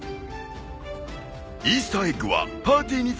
イースター・エッグはパーティーにつき１つ。